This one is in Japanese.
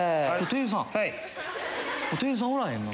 店員さんおらへんな。